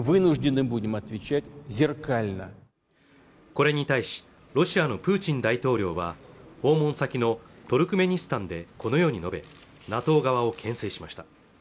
これに対しロシアのプーチン大統領は訪問先のトルクメニスタンでこのように述べＮＡＴＯ側をけん制しました